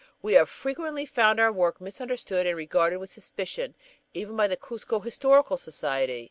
We have frequently found our work misunderstood and regarded with suspicion, even by the Cuzco Historical Society.